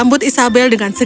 mbok sudah laki laki